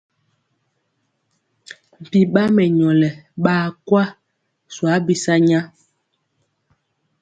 Mpi ɓa mɛnyɔlɔ ɓaa kwa swa bi sanya.